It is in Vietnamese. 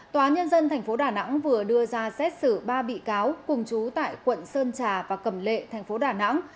tòa nhân dân tp đà nẵng vừa đưa ra xét xử ba bị cáo cùng chú tại quận sơn trà và cầm lệ thành phố đà nẵng